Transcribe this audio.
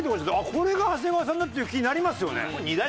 これが長谷川さんだっていう気になりますよね。